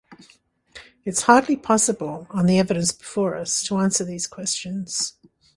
It is hardly possible, on the evidence before us, to answer these questions.